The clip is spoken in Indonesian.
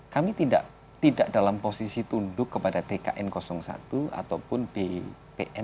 kami tidak dalam posisi tunduk kepada tkn satu ataupun bpn